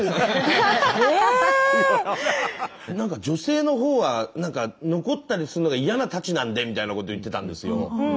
女性のほうはなんか残ったりするのが嫌なたちなんでみたいなこと言ってたんですよ。